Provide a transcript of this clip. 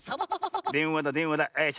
でんわだでんわだ。